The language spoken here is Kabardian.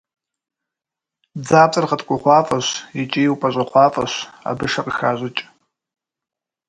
Бдзапцӏэр гъэткӏугъуафӏэщ икӏи упӏэщӏыгъуафӏэщ, абы шэ къыхащӏыкӏ.